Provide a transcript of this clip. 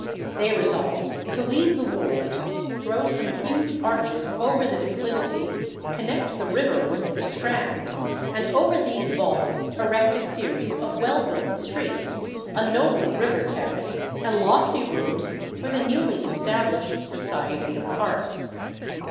They resolved to leave the wharves, throw some huge arches over the declivity, connect the river with the Strand, and over these vaults erect a series of well built streets, a noble river terrace, and lofty rooms for the newly established Society of Arts.